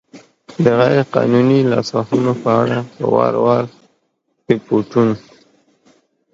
د غیر قانوني لاسوهنو په اړه په وار وار ریپوټون